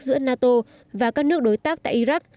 giữa nato và các nước đối tác tại iraq